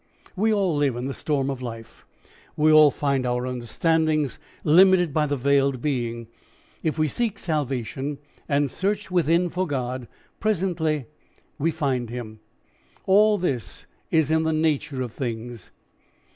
We all live in the storm of life, we all find our understandings limited by the Veiled Being; if we seek salvation and search within for God, presently we find him. All this is in the nature of things.